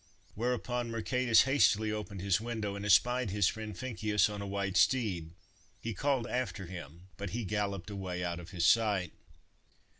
Whereupon Mercatus hastily opened his window and espied his friend Ficinus on a white steed. He called after him, but he galloped away out of his sight.